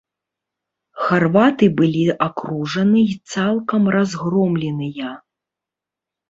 Харваты былі акружаны і цалкам разгромленыя.